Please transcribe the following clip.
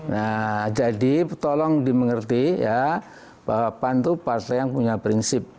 nah jadi tolong dimengerti ya bahwa pan itu partai yang punya prinsip